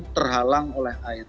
terhalang oleh air